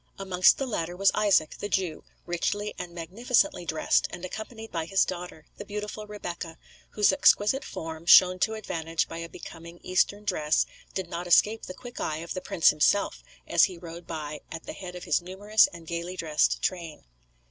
Amongst the latter was Isaac the Jew, richly and magnificently dressed, and accompanied by his daughter, the beautiful Rebecca, whose exquisite form, shown to advantage by a becoming Eastern dress, did not escape the quick eye of the prince himself, as he rode by at the head of his numerous and gaily dressed train.